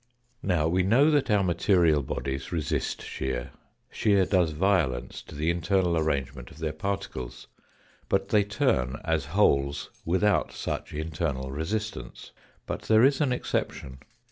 Now we know that our material bodies resist shear shear does violence to the internal arrangement of their particles, but they turn as wholes without such internal resistance. But there is an exception.